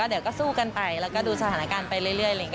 เดี๋ยวก็สู้กันไปแล้วก็ดูสถานการณ์ไปเรื่อย